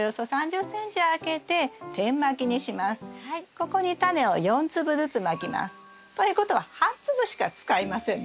ここにタネを４粒ずつまきます。ということは８粒しか使いませんね。